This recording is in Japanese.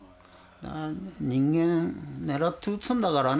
人間狙って撃つんだからね。